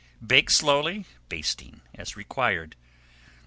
Bake slowly, basting as required.